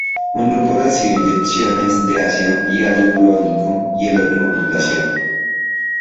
Un grupo recibió inyecciones de ácido hialurónico y el otro un placebo.